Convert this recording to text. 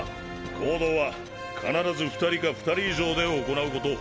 行動は必ず２人か２人以上で行うこと。